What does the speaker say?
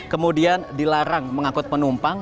kemudian dilarang mengangkut penyewaan